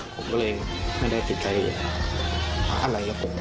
ผมก็เลยไม่ได้ติดใจอะไรกับผม